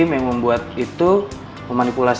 jadi kita harus membuat produk kita dengan cara yang menarik